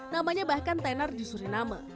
namanya bahkan tenor di suriname